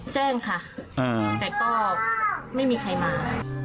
แจ้งค่ะแต่ก็ไม่มีใครมา